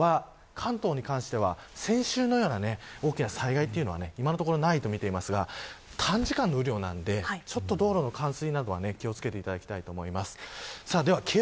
なので、大きな影響は関東に関しては、先週のような大きな災害というのは今のところないと見ていますが短時間の雨量なので道路の冠水などは気を付けていただきたいと思います。